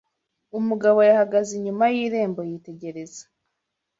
Umugabo yahagaze inyuma y irembo yitegereza